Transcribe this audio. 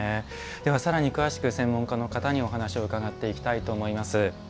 さらに詳しく専門家の方にお話を伺っていきたいと思います。